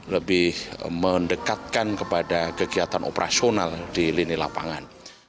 lebih mendekatkan kepada kegiatan operasional di lini lapangan